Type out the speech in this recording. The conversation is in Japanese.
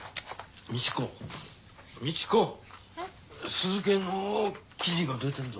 鈴建の記事が出てるぞ。